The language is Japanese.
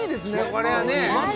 これはね